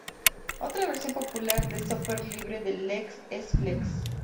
Otra versión popular de software libre de lex es Flex.